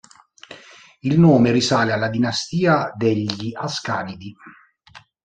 Il nome risale alla dinastia degli Ascanidi.